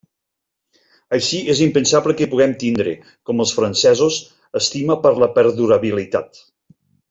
Així és impensable que puguem tindre, com els francesos, estima per la perdurabilitat.